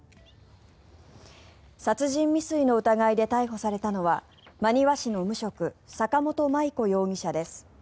殺人未遂の疑いで逮捕されたのは真庭市の無職坂本麻依子容疑者です。